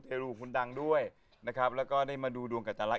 ที่รูปดังด้วยนะครับและก็ได้มาดูดวงกัจจันรัก